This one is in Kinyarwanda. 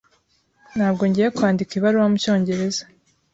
Ntabwo ngiye kwandika ibaruwa mucyongereza.